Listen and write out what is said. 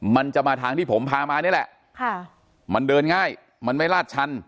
มันจะมาทางที่ผมพามานี่แหละค่ะมันเดินง่ายมันไม่ลาดชัน